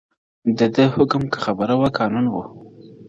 د ده حکم، که خبره وه قانون وو،